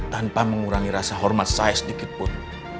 tanpa mengurangi rasa hormat saya sedikit pun